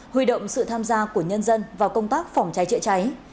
huy động sự tham gia của nhân dân vào công tác phòng cháy chữa cháy